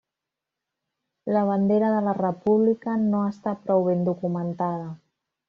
La bandera de la república no està prou ben documentada.